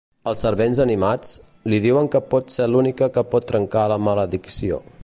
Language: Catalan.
Els servents animats, li diuen que pot ser l'única que pot trencar la maledicció.